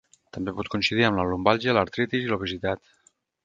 També pot coincidir amb la lumbàlgia, l'artritis i l'obesitat.